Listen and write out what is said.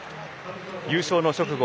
優勝の直後